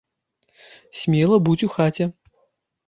Смела будзь у хаце.